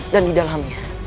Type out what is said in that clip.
dan di dalamnya